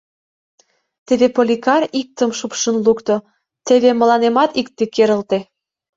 Теве Поликар иктым шупшын лукто, теве мыланемат икте керылте.